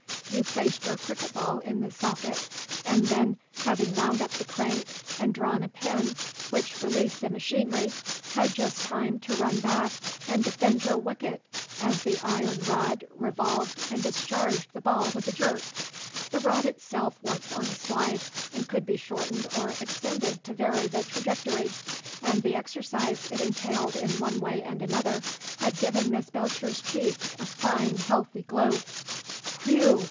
You placed your cricket ball in the socket, and then, having wound up the crank and drawn a pin which released the machinery, had just time to run back and defend your wicket as the iron rod revolved and discharged the ball with a jerk. The rod itself worked on a slide, and could be shortened or extended to vary the trajectory, and the exercise it entailed in one way and another had given Miss Belcher's cheeks a fine healthy glow. "Whew!"